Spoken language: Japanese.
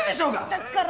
だから！